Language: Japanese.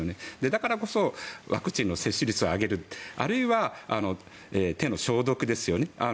だからこそワクチンの接種率を上げるあるいは手の消毒ですよね。